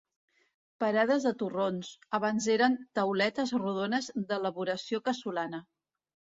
Parades de torrons, abans eren "tauletes" rodones d'elaboració casolana.